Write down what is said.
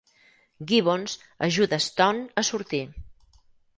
Gibbons ajuda a Stone a sortir.